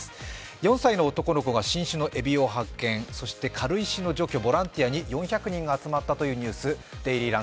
４歳の男の子が新種のえびを発見、そして軽石の除去、ボランティアに４００人が集まったというニュース。